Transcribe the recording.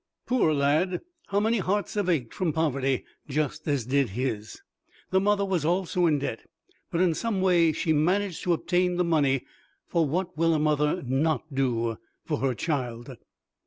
Poor lad! how many hearts have ached from poverty just as did his. The mother was also in debt, but in some way she managed to obtain the money; for what will a mother not do for her child?